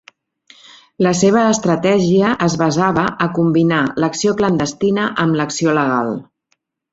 La seva estratègia es basava a combinar l'acció clandestina amb l'acció legal.